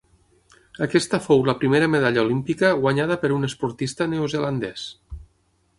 Aquesta fou la primera medalla olímpica guanyada per un esportista neozelandès.